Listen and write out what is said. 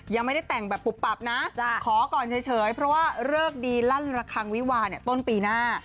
ยังไม่ได้แต่งแบบปุบปับนะขอก่อนเฉยเพราะว่าเลิกดีลั่นระคังวิวาเนี่ยต้นปีหน้า